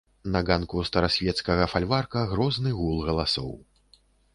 На ганку старасвецкага фальварка грозны гул галасоў.